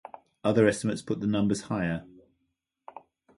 Other estimates put the numbers higher.